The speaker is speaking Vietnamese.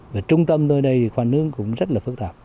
và trung tâm nơi đây thì khoan nước cũng rất là phức tạp